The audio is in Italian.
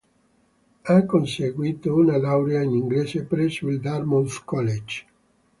Ha conseguito una laurea in inglese presso il Dartmouth College.